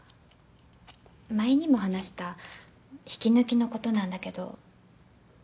前にも話した引き抜きの事なんだけど。